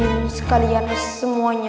hadirin sekalian semuanya